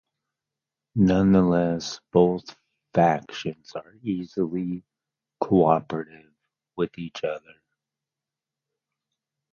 Nonetheless both factions are easily cooperative with each other.